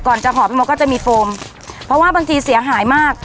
จะหอบพี่มดก็จะมีโฟมเพราะว่าบางทีเสียหายมาก